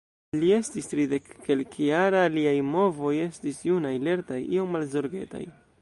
Li estis tridekkelkjara, liaj movoj estis junaj, lertaj, iom malzorgetaj.